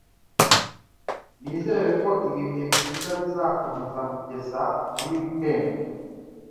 Nizere ko ibi bihe byiza bizakomeza kugeza muri wikendi.